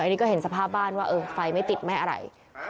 อันนี้ก็เห็นสภาพบ้านว่าเออไฟไม่ติดไม่อะไร